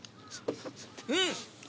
うん！